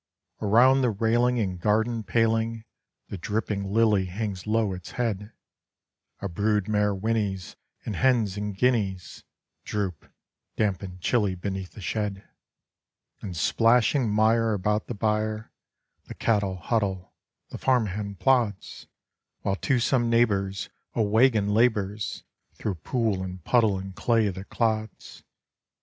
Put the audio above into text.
Around the railing and garden paling The dripping lily hangs low its head: A brood mare whinnies; and hens and guineas Droop, damp and chilly, beneath the shed. In splashing mire about the byre The cattle huddle, the farm hand plods; While to some neighbor's a wagon labors Through pool and puddle and clay that clods.